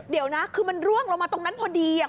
เดี๋ยวนะคือมันร่วงลงมาตรงนั้นพอดี